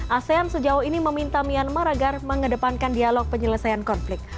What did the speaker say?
asean sejauh ini meminta myanmar agar mengedepankan dialog penyelesaian konflik